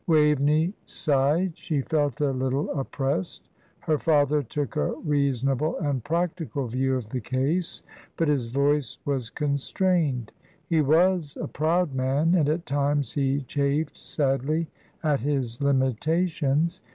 Waveney sighed; she felt a little oppressed: her father took a reasonable and practical view of the case, but his voice was constrained; he was a proud man, and at times he chafed sadly at his limitations.